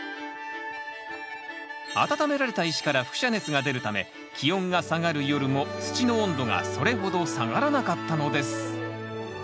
温められた石から輻射熱が出るため気温が下がる夜も土の温度がそれほど下がらなかったのです。